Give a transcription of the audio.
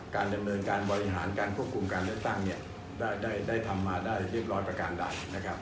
การดำเนินการบริหารการควบคุมการเลือกตั้งเนี่ยได้ทำมาได้เรียบร้อยประการใดนะครับ